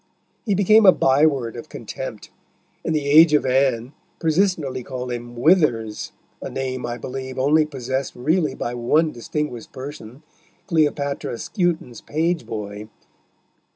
He became a byword of contempt, and the Age of Anne persistently called him Withers, a name, I believe, only possessed really by one distinguished person, Cleopatra Skewton's page boy.